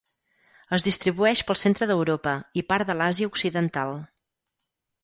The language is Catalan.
Es distribueix pel centre d'Europa i part de l'Àsia occidental.